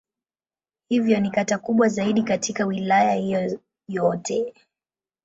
Hivyo ni kata kubwa zaidi katika Wilaya hiyo yote.